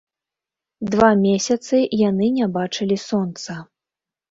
Два месяцы яны не бачылі сонца.